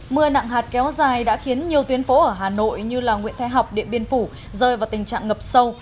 mưa nặng hạt kéo dài đã khiến nhiều tuyến phố ở hà nội như nguyễn thái học điện biên phủ rơi vào tình trạng ngập sâu